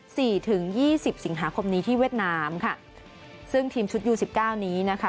ถึงยี่สิบสิงหาคมนี้ที่เวียดนามค่ะซึ่งทีมชุดยูสิบเก้านี้นะคะ